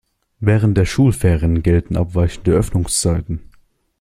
Während der Schulferien gelten abweichende Öffnungszeiten.